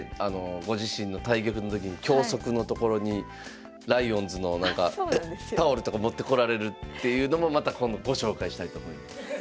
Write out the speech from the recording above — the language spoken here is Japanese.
ご自身の対局の時に脇息のところにライオンズのなんかタオルとか持ってこられるっていうのもまた今度ご紹介したいと思います。